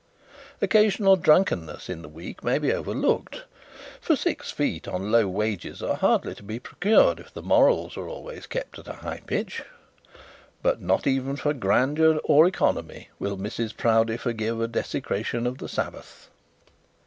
Occasional drunkenness in the week may be overlooked, for six feet on low wages are hardly to be procured if the morals are always kept at a high pitch; but not even for the grandeur or economy will Mrs Proudie forgive a desecration of the Sabbath.